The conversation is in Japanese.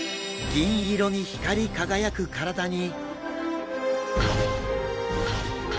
銀色に光り輝く体に。